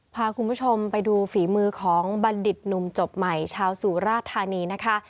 พาคุณผู้ชมไปดูฝีมือของบัณฑิตหนุ่มจบใหม่ชาวสุราธานีนะคะ